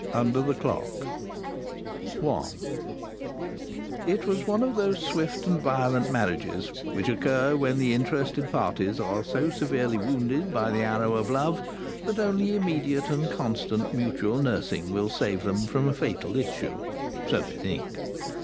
UNDER THE CLOCK I It was one of those swift and violent marriages which occur when the interested parties are so severely wounded by the arrow of love that only immediate and constant mutual nursing will save them from a fatal issue. (So they think.)